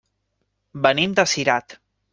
Venim de Cirat.